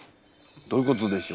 どういうことでしょう？